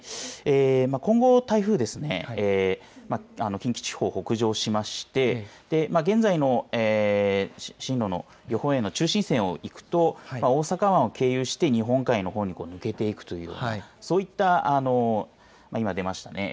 今後、台風ですね近畿地方を北上しまして現在の進路の予報円の中心線をいくと大阪湾を経由して日本海のほうへ抜けていくというそういった今、出ましたね。